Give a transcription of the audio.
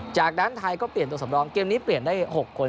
จากนั้นไทยก็เปลี่ยนตัวสำรองเกมนี้เปลี่ยนได้๖คน